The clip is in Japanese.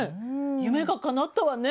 夢がかなったわね。